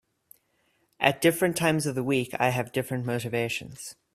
At different times of the week I have different motivations.